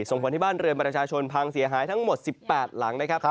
ส่งผลให้บ้านเรือนประชาชนพังเสียหายทั้งหมด๑๘หลังนะครับ